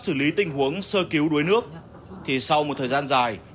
xử lý tình huống sơ cứu đuối nước thì sau một thời gian dài